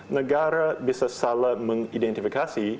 negara bisa salah mengidentifikasi